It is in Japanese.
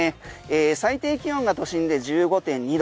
最低気温が都心で１５．２度。